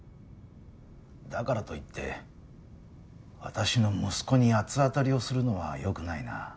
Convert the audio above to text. だからといって私の息子に八つ当たりをするのはよくないな。